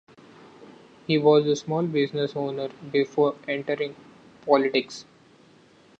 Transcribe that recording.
He was a small business owner before entering politics.